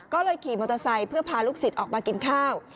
ก็เลยขี่มอเตอร์ไซค์เพื่อพาลูกศิษย์ออกมากินข้าว